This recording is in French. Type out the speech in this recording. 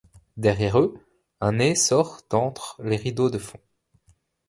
Derrière eux, un nez sort d'entre les rideaux de fond.